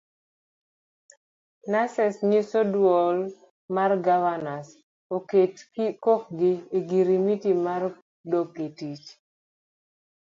Nurses ginyiso duol mar governors oket kokgi e ogirimiti mar dok etich.